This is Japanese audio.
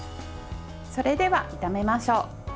それでは、炒めましょう。